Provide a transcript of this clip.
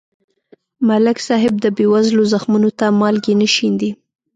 ملک صاحب د بېوزلو زخمونو ته مالګې نه شیندي.